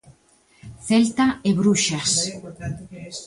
Celta e Bruxas.